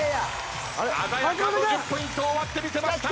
鮮やか５０ポイントを割ってみせました。